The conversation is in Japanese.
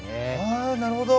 あなるほど。